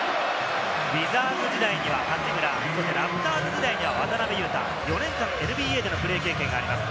ウィザーズ時代には八村、そしてラプターズ時代には渡邊雄太、４年間ＮＢＡでのプレー経験があります。